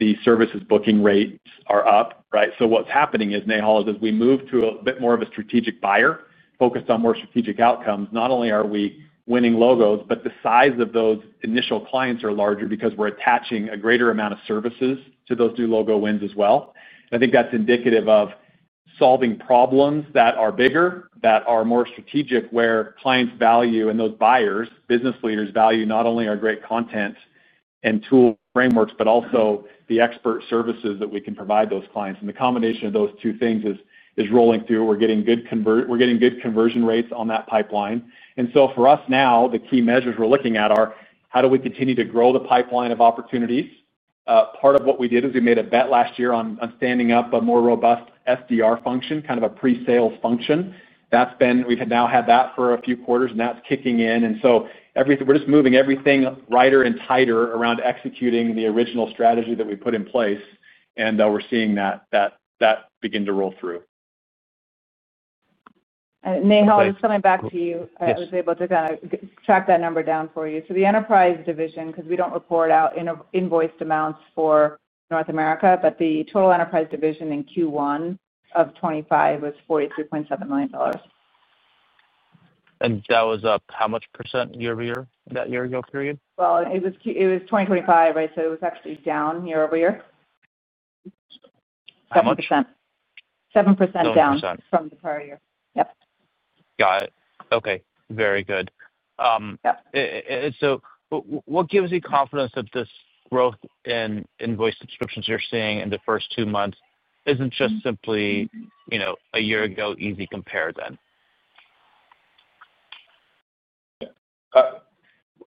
The services booking rates are up, right? What is happening is, Nehal, as we move to a bit more of a strategic buyer focused on more strategic outcomes, not only are we winning logos, but the size of those initial clients are larger because we are attaching a greater amount of services to those new logo wins as well. I think that's indicative of solving problems that are bigger, that are more strategic, where clients value and those buyers, business leaders value not only our great content and tool frameworks, but also the expert services that we can provide those clients. The combination of those two things is rolling through. We're getting good conversion rates on that pipeline. For us now, the key measures we're looking at are how do we continue to grow the pipeline of opportunities? Part of what we did is we made a bet last year on standing up a more robust SDR function, kind of a pre-sales function. We've now had that for a few quarters, and that's kicking in. We're just moving everything lighter and tighter around executing the original strategy that we put in place. We're seeing that begin to roll through. Nehal, just coming back to you, I was able to kind of track that number down for you. The enterprise division, because we do not report out invoiced amounts for North America, but the total enterprise division in Q1 of 2025 was $43.7 million. That was up how much percent year-over-year in that year-ago period? It was 2025, right? It was actually down year-over-year. How much? 7%. 7% down from the prior year. Yep. Got it. Okay. Very good. What gives you confidence that this growth in invoice subscriptions you are seeing in the first two months is not just simply a year-ago easy comparison?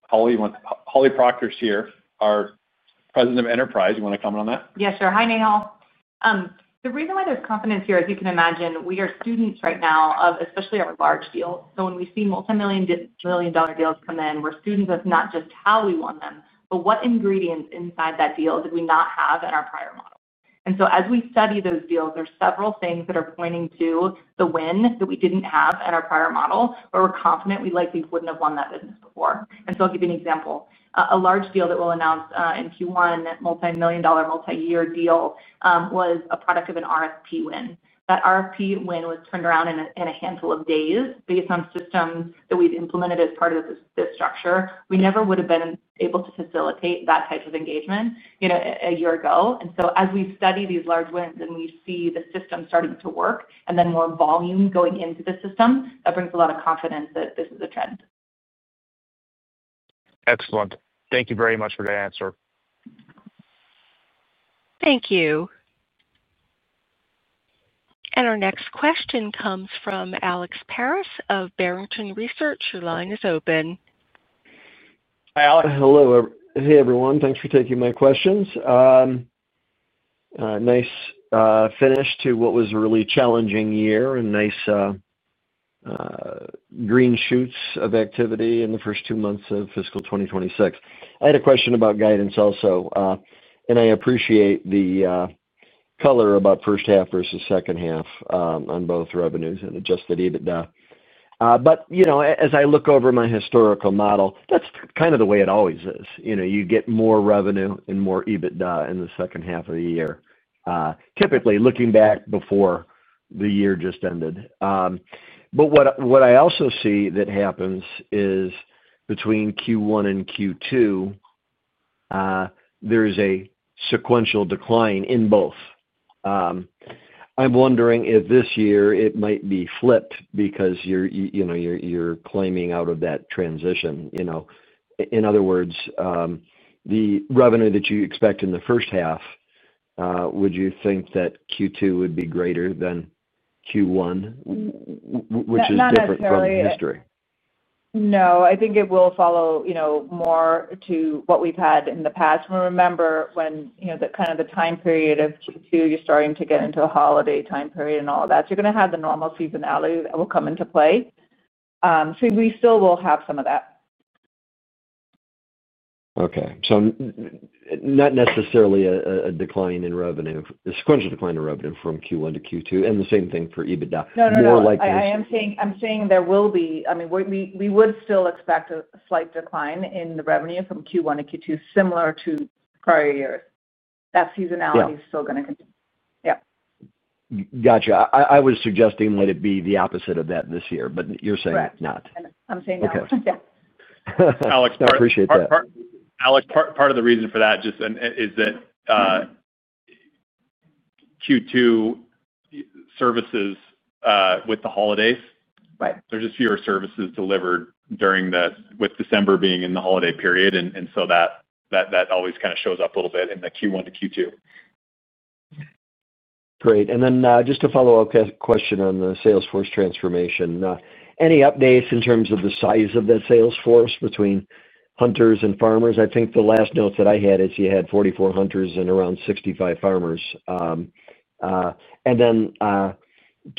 Holly Proctors here, our President of Enterprise. You want to comment on that? Yes, sir. Hi, Nehal. The reason why there is confidence here, as you can imagine, we are students right now of especially our large deals. When we see multimillion-dollar deals come in, we're students of not just how we won them, but what ingredients inside that deal did we not have in our prior model. As we study those deals, there are several things that are pointing to the win that we didn't have in our prior model where we're confident we likely wouldn't have won that business before. I'll give you an example. A large deal that we'll announce in Q1, multimillion-dollar, multi-year deal, was a product of an RFP win. That RFP win was turned around in a handful of days based on systems that we've implemented as part of this structure. We never would have been able to facilitate that type of engagement a year ago. As we study these large wins and we see the system starting to work and then more volume going into the system, that brings a lot of confidence that this is a trend. Excellent. Thank you very much for that answer. Thank you. Our next question comes from Alex Paris of Barrington Research. Your line is open. Hi, Alex. Hello. Hey, everyone. Thanks for taking my questions. Nice finish to what was a really challenging year and nice green shoots of activity in the first two months of fiscal 2026. I had a question about guidance also, and I appreciate the color about first half versus second half on both revenues and Adjusted EBITDA. As I look over my historical model, that's kind of the way it always is. You get more revenue and more EBITDA in the second half of the year, typically looking back before the year just ended. What I also see that happens is between Q1 and Q2, there is a sequential decline in both. I'm wondering if this year it might be flipped because you're coming out of that transition. In other words, the revenue that you expect in the first half, would you think that Q2 would be greater than Q1, which is different from history? No, I think it will follow more to what we've had in the past. Remember when kind of the time period of Q2, you're starting to get into a holiday time period and all of that. You are going to have the normal seasonality that will come into play. We still will have some of that. Okay. Not necessarily a decline in revenue, a sequential decline in revenue from Q1 to Q2, and the same thing for EBITDA. More likely to. No, no, no. I'm saying there will be—I mean, we would still expect a slight decline in the revenue from Q1 to Q2 similar to prior years. That seasonality is still going to continue. Yeah. Gotcha. I was suggesting let it be the opposite of that this year, but you're saying not. I'm saying not. Yeah. Alex, part of the reason for that is that Q2, services with the holidays, there's just fewer services delivered with December being in the holiday period. And so that always kind of shows up a little bit in the Q1 to Q2. Great. And then just a follow-up question on the sales force transformation. Any updates in terms of the size of the sales force between hunters and farmers? I think the last notes that I had is you had 44 hunters and around 65 farmers.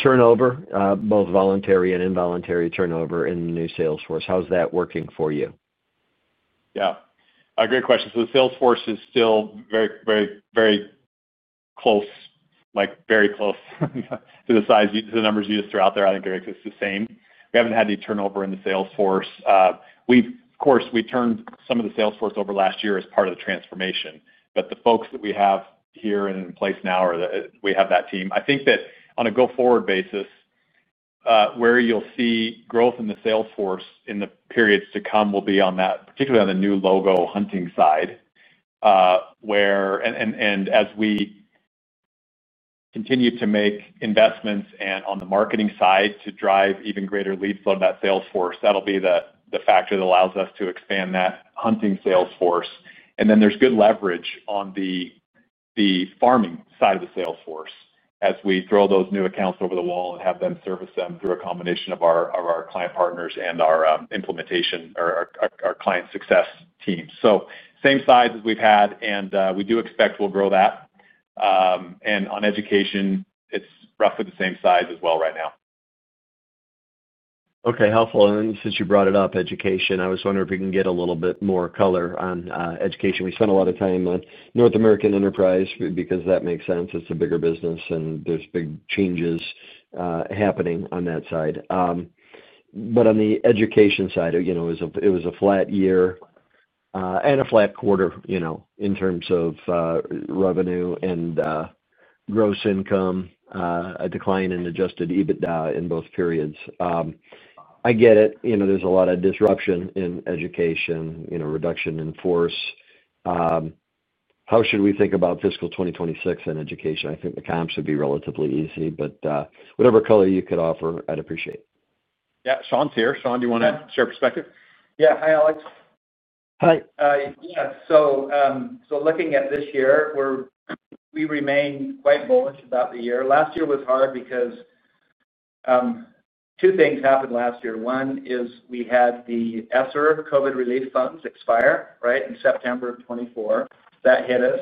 Turnover, both voluntary and involuntary turnover in the new sales force, how's that working for you? Yeah. Great question. The sales force is still very, very close, very close to the numbers you just threw out there. I think it's the same. We haven't had any turnover in the sales force. Of course, we turned some of the sales force over last year as part of the transformation. The folks that we have here and in place now are that we have that team. I think that on a go-forward basis, where you'll see growth in the sales force in the periods to come will be on that, particularly on the new logo hunting side. As we. Continue to make investments on the marketing side to drive even greater leads on that sales force. That will be the factor that allows us to expand that hunting sales force. There is good leverage on the farming side of the sales force as we throw those new accounts over the wall and have them service them through a combination of our client partners and our implementation or our client success team. Same size as we've had, and we do expect we'll grow that. On education, it's roughly the same size as well right now. Okay. Helpful. Since you brought it up, education, I was wondering if we can get a little bit more color on education. We spent a lot of time on North American Enterprise because that makes sense. It's a bigger business, and there are big changes happening on that side. But on the education side, it was a flat year. And a flat quarter in terms of revenue and gross income, a decline in Adjusted EBITDA in both periods. I get it. There's a lot of disruption in education, reduction in force. How should we think about fiscal 2026 and education? I think the comps would be relatively easy, but whatever color you could offer, I'd appreciate it. Yeah. Sean's here. Sean, do you want to share a perspective? Yeah. Hi, Alex. Hi. Yeah. So, looking at this year, we remain quite bullish about the year. Last year was hard because two things happened last year. One is we had the ESSER COVID relief funds expire, right, in September of 2024. That hit us.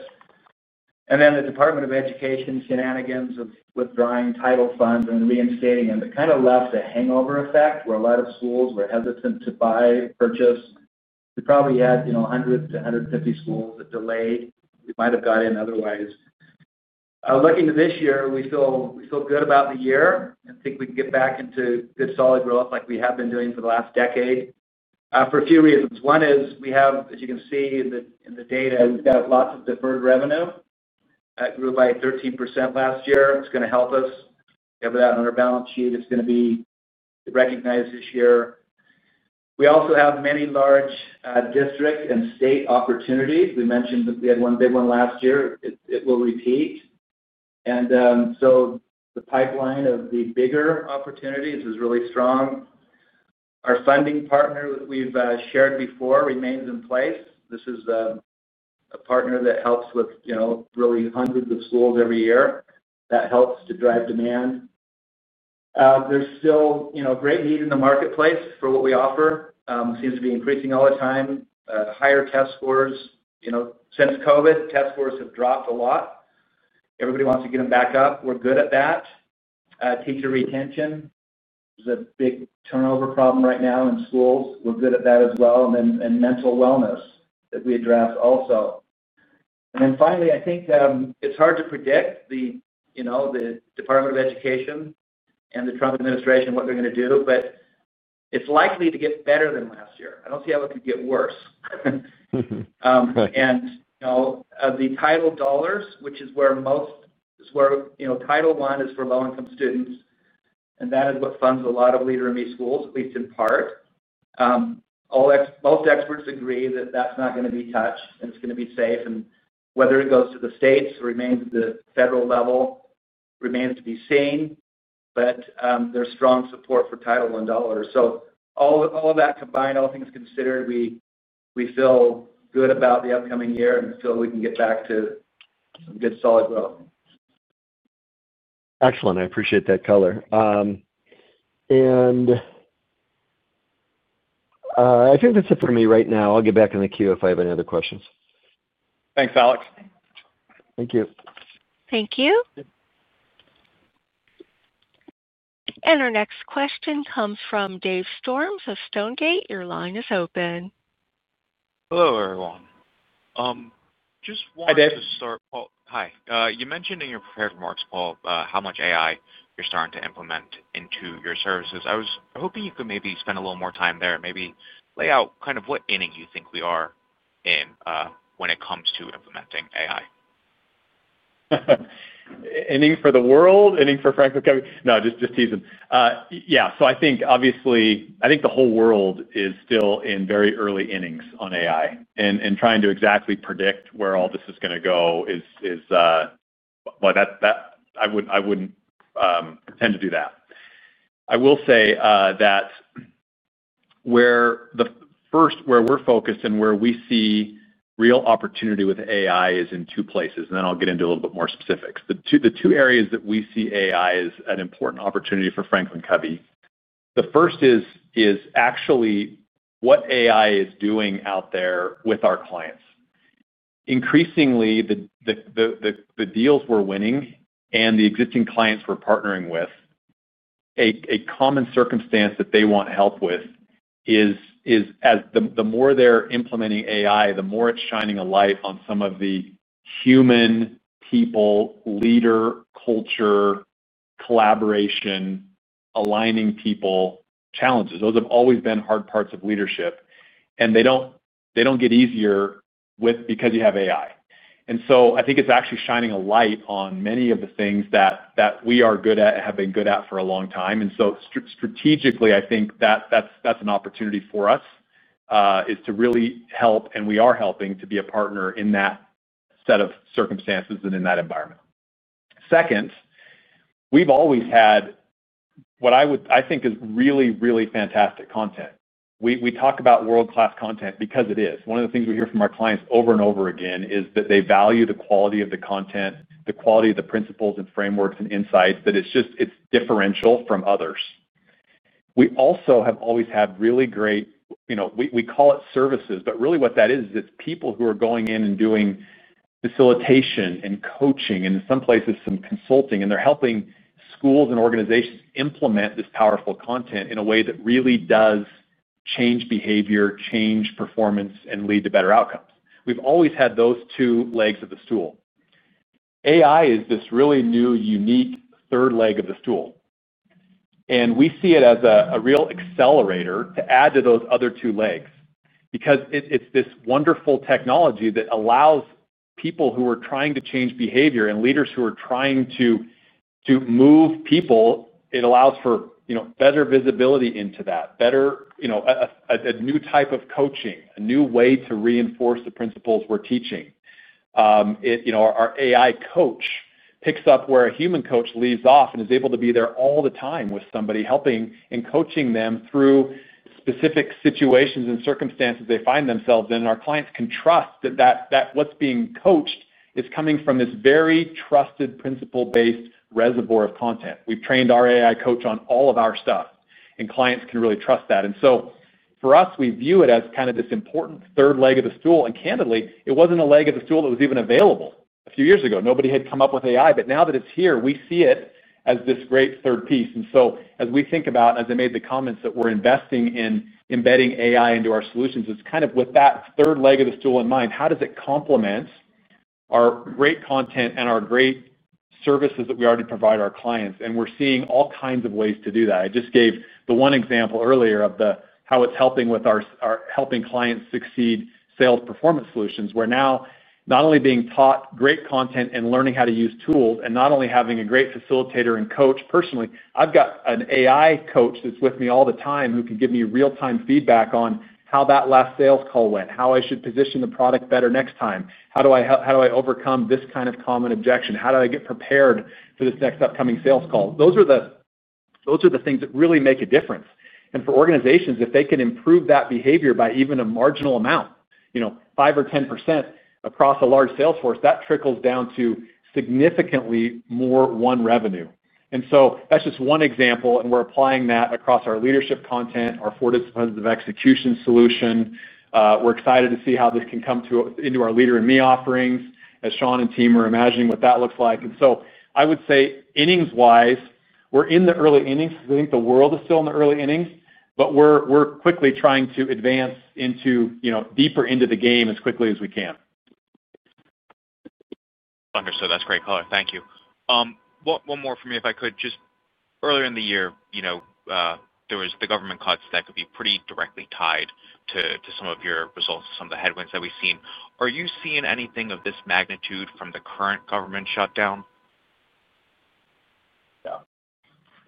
The Department of Education shenanigans of withdrawing title funds and reinstating them, it kind of left a hangover effect where a lot of schools were hesitant to buy, purchase. We probably had 100-150 schools that delayed. We might have got in otherwise. Looking to this year, we feel good about the year. I think we can get back into good solid growth like we have been doing for the last decade for a few reasons. One is we have, as you can see in the data, we have lots of deferred revenue. It grew by 13% last year. It is going to help us. We have that on our balance sheet. It is going to be recognized this year. We also have many large district and state opportunities. We mentioned that we had one big one last year. It will repeat. The pipeline of the bigger opportunities is really strong. Our funding partner that we have shared before remains in place. This is a partner that helps with really hundreds of schools every year. That helps to drive demand. There is still great need in the marketplace for what we offer. It seems to be increasing all the time. Higher test scores. Since COVID, test scores have dropped a lot. Everybody wants to get them back up. We are good at that. Teacher retention is a big turnover problem right now in schools. We are good at that as well. Mental wellness is something that we address also. Finally, I think it is hard to predict the Department of Education and the Trump administration, what they are going to do, but it is likely to get better than last year. I do not see how it could get worse. The title dollars, which is where most is where Title I is for low-income students, and that is what funds a lot of Leader in Me schools, at least in part. Most experts agree that that's not going to be touched, and it's going to be safe. Whether it goes to the states or remains at the federal level remains to be seen. There is strong support for Title I dollars. All of that combined, all things considered, we feel good about the upcoming year and feel we can get back to some good solid growth. Excellent. I appreciate that color. I think that's it for me right now. I'll get back in the queue if I have any other questions. Thanks, Alex. Thank you. Thank you. Our next question comes from Dave Storms of Stonegate. Your line is open. Hello, everyone. Just wanted to start. Hi. You mentioned in your prepared remarks, Paul, how much AI you're starting to implement into your services. I was hoping you could maybe spend a little more time there and maybe lay out kind of what inning you think we are in when it comes to implementing AI. Inning for the world? Inning for FranklinCovey? No, just teasing. Yeah. I think, obviously, I think the whole world is still in very early innings on AI, and trying to exactly predict where all this is going to go is. I wouldn't pretend to do that. I will say that where we're focused and where we see real opportunity with AI is in two places, and then I'll get into a little bit more specifics. The two areas that we see AI as an important opportunity for FranklinCovey, the first is actually what AI is doing out there with our clients. Increasingly, the deals we're winning and the existing clients we're partnering with, a common circumstance that they want help with is as the more they're implementing AI, the more it's shining a light on some of the human-people-leader-culture, collaboration, aligning people challenges. Those have always been hard parts of leadership, and they don't get easier because you have AI. I think it's actually shining a light on many of the things that we are good at and have been good at for a long time. Strategically, I think that's an opportunity for us, to really help, and we are helping to be a partner in that set of circumstances and in that environment. Second, we've always had. What I think is really, really fantastic content. We talk about world-class content because it is. One of the things we hear from our clients over and over again is that they value the quality of the content, the quality of the principles and frameworks and insights, that it's differential from others. We also have always had really great—we call it services, but really what that is, is it's people who are going in and doing facilitation and coaching and in some places some consulting, and they're helping schools and organizations implement this powerful content in a way that really does change behavior, change performance, and lead to better outcomes. We've always had those two legs of the stool. AI is this really new, unique third leg of the stool. We see it as a real accelerator to add to those other two legs because it is this wonderful technology that allows people who are trying to change behavior and leaders who are trying to move people. It allows for better visibility into that, better. A new type of coaching, a new way to reinforce the principles we are teaching. Our AI coach picks up where a human coach leaves off and is able to be there all the time with somebody helping and coaching them through specific situations and circumstances they find themselves in. Our clients can trust that what is being coached is coming from this very trusted, principle-based reservoir of content. We have trained our AI coach on all of our stuff, and clients can really trust that. For us, we view it as kind of this important third leg of the stool. Candidly, it was not a leg of the stool that was even available a few years ago. Nobody had come up with AI, but now that it is here, we see it as this great third piece. As we think about, and as I made the comments that we are investing in embedding AI into our solutions, it is kind of with that third leg of the stool in mind. How does it complement our great content and our great services that we already provide our clients? We are seeing all kinds of ways to do that. I just gave the one example earlier of how it's Helping Clients Succeed sales performance solutions, where now not only being taught great content and learning how to use tools and not only having a great facilitator and coach personally, I've got an AI coach that's with me all the time who can give me real-time feedback on how that last sales call went, how I should position the product better next time, how do I overcome this kind of common objection, how do I get prepared for this next upcoming sales call? Those are the things that really make a difference. For organizations, if they can improve that behavior by even a marginal amount, 5% or 10% across a large sales force, that trickles down to significantly more revenue. That is just one example, and we are applying that across our leadership content, our 4 Disciplines of Execution solution. We are excited to see how this can come into our Leader in Me offerings as Sean and team are imagining what that looks like. I would say innings-wise, we are in the early innings. I think the world is still in the early innings, but we are quickly trying to advance deeper into the game as quickly as we can. Understood. That is great, Paul. Thank you. One more for me, if I could. Just earlier in the year, there were the government cuts that could be pretty directly tied to some of your results, some of the headwinds that we have seen. Are you seeing anything of this magnitude from the current government shutdown? No.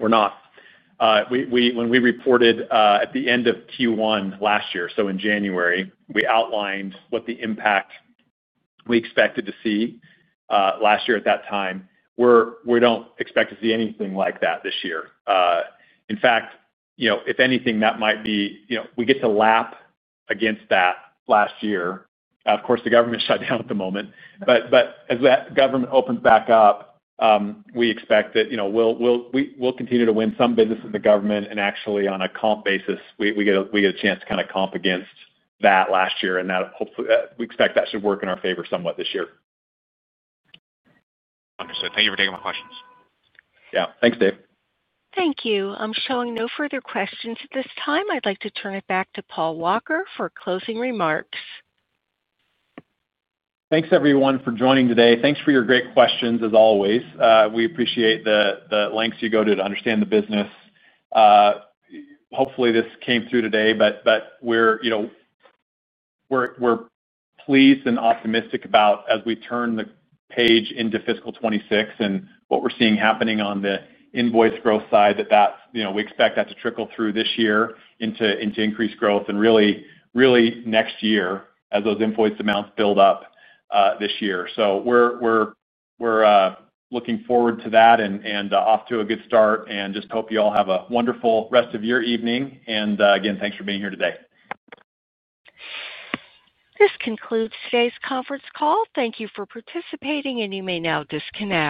We are not. When we reported at the end of Q1 last year, so in January, we outlined what the impact. We expected to see last year at that time. We do not expect to see anything like that this year. In fact, if anything, that might be we get to lap against that last year. Of course, the government shut down at the moment. As that government opens back up, we expect that we will continue to win some business in the government. Actually, on a comp basis, we get a chance to kind of comp against that last year. We expect that should work in our favor somewhat this year. Understood. Thank you for taking my questions. Yeah. Thanks, Dave. T hank you. I am showing no further questions at this time. I would like to turn it back to Paul Walker for closing remarks. Thanks, everyone, for joining today. Thanks for your great questions, as always. We appreciate the lengths you go to to understand the business. Hopefully, this came through today, but we're pleased and optimistic about as we turn the page into fiscal 2026 and what we're seeing happening on the invoice growth side, that we expect that to trickle through this year into increased growth and really next year as those invoice amounts build up this year. We are looking forward to that and off to a good start. I just hope you all have a wonderful rest of your evening. Again, thanks for being here today. This concludes today's conference call. Thank you for participating, and you may now disconnect.